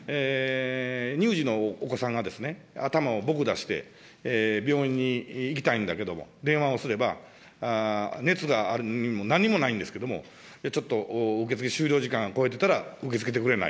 乳児のお子さんが頭をぼく出して病院に行きたいんだけども、電話をすれば、熱があるにも何にもないんですけど、ちょっと受け付け終了時間を超えてたら、受け付けてくれない。